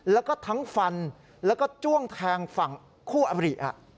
แล้วก็ทั้งฟันแล้วก็จ้วงแทงฝั่งคู่อบริ